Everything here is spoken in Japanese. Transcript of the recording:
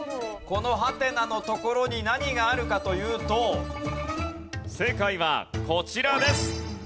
このハテナのところに何があるかというと正解はこちらです！